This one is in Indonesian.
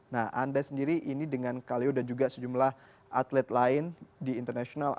nah anda sendiri ini dengan kaleo dan juga sejumlah atlet lain di internasional